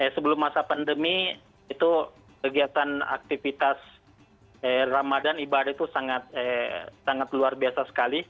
sebelum masa pandemi itu kegiatan aktivitas ramadan ibadah itu sangat luar biasa sekali